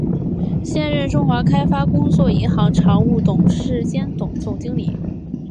现任中华开发工业银行常务董事兼总经理。